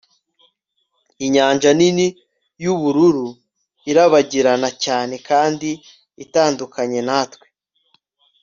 Inyanja nini yubururu irabagirana cyane kandi itandukanye natwe